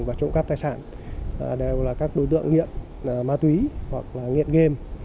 và trộm cắp tài sản đều là các đối tượng nghiện ma túy hoặc nghiện game